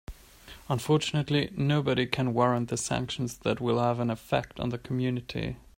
Unfortunately, nobody can warrant the sanctions that will have an effect on the community.